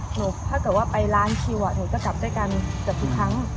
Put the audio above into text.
ถ้าเกิดว่าไปร้านคิวหนูจะกลับด้วยกันเกือบทุกครั้ง